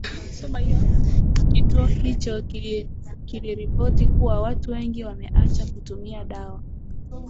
kituo hicho kiliripoti kuwa watu wengi wameacha kutumia dawa